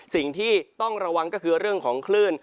สิ่งที่ต้องระวังก็คือเรื่องของคลื่น